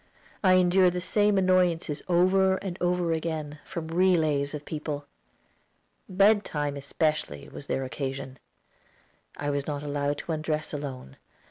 I endured the same annoyances over and over again, from relays of people. Bed time especially was their occasion. I was not allowed to undress alone.